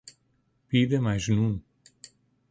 بید مجنون